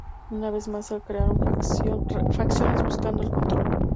Una vez más se crearon facciones buscando el control.